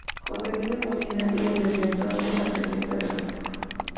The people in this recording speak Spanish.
Josefina Molina es desde entonces la Presidenta de honor.